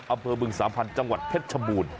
อำเภอบึงสามพันธ์จังหวัดเพชรชมูล